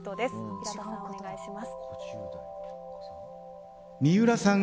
平田さん、お願いします。